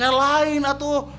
yang lain tuh